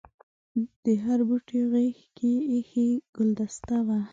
د هر بوټي غېږ کې ایښي ګلدسته وه.